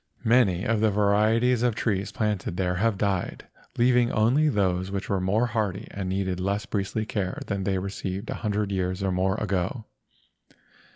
Many of the varieties of trees planted there have died, leaving only those which were more hardy and needed less priestly care than they received a hundred years or more ago.